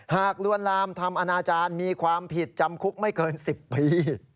ลวนลามทำอนาจารย์มีความผิดจำคุกไม่เกิน๑๐ปี